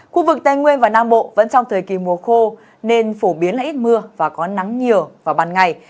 khu vực tây nguyên và nam bộ vẫn trong thời kỳ mùa khô nên phổ biến là ít mưa và có nắng nhiều vào ban ngày